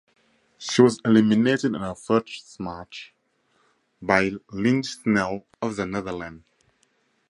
She was eliminated in her first match by Lynn Snel of the Netherlands.